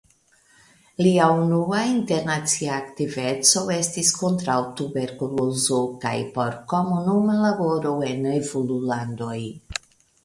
Lia unua internacia aktiveco estis kontraŭ tuberkulozo kaj por komunuma laboro en evolulandoj.